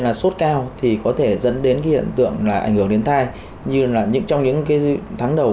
là sốt cao thì có thể dẫn đến cái hiện tượng là ảnh hưởng đến thai như là trong những cái tháng đầu